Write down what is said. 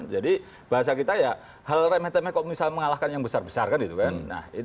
jadi bahasa kita ya hal remeh temeh kok bisa mengalahkan yang besar besar kan gitu kan